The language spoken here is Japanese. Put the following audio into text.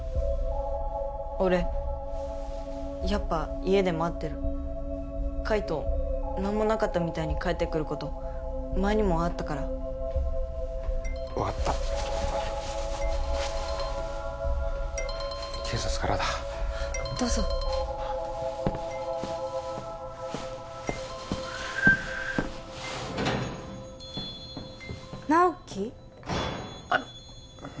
俺やっぱ家で待ってる海翔何もなかったみたいに帰ってくること前にもあったから分かった警察からだどうぞ直木？